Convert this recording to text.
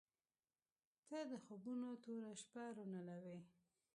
• ته د خوبونو توره شپه روڼولې.